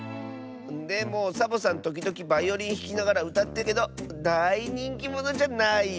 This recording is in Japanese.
でもサボさんときどきバイオリンひきながらうたってるけどだいにんきものじゃないよ。